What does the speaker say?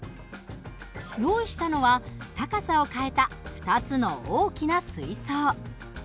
用意したのは高さを変えた２つの大きな水槽。